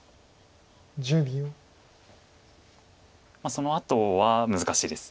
そのあとは難しいです。